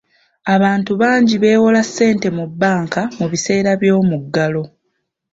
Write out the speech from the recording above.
Abantu bangi bewola ssente mu bbanka mu biseera by'omuggalo.